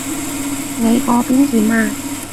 你嗰邊點啊？